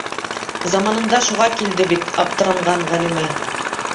Заманында шуға килде бит аптыранған Ғәлимә.